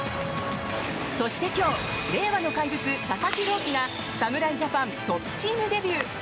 そして今日令和の怪物、佐々木朗希が侍ジャパントップチームデビュー。